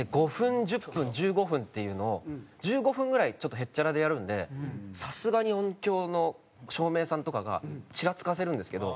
５分１０分１５分っていうのを１５分ぐらいちょっとへっちゃらでやるんでさすがに音響の照明さんとかがちらつかせるんですけど。